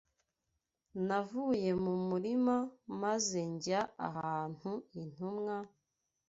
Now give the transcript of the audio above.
Navuye mu murima maze njya ahantu intumwa